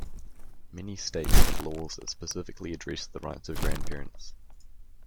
Many states have laws that specifically address the rights of grandparents.